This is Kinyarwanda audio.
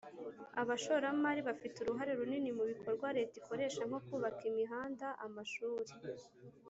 Abashoramari bafite uruhare runini mu bikorwa Leta ikoresha nko kubaka imihanda amashuri